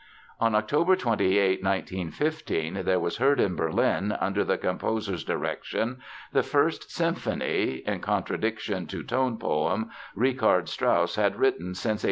On October 28, 1915, there was heard in Berlin, under the composer's direction, the first symphony (in contradiction to "tone poem") Richard Strauss had written since 1886.